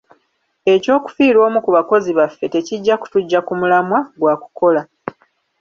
Eky'okufiirwa omu ku bakozi baffe tekijja kutuggya ku mulamwa gwa kukola.